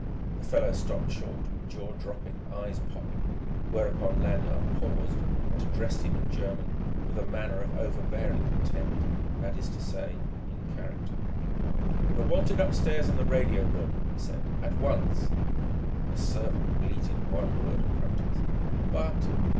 The fellow stopped short, jaw dropping, eyes popping; whereupon Lanyard paused and addressed him in German with a manner of overbearing contempt, that is to say, in character. "You're wanted upstairs in the radio room," he said "at once!" The servant bleated one word of protest: "But